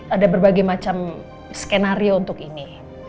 ada berbagai macam skenario untuk ini